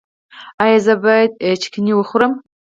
ایا زه باید چتني وخورم؟